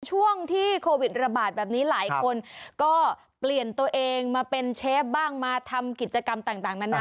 ช่วงที่โควิดระบาดแบบนี้หลายคนก็เปลี่ยนตัวเองมาเป็นเชฟบ้างมาทำกิจกรรมต่างนานา